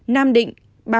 nam định ba mươi tám